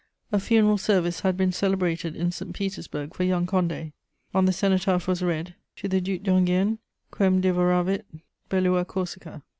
A funeral service had been celebrated in St. Petersburg for young Condé. On the cenotaph was read: "To the Duc d'Enghien _quem devoravit bellua Corsica.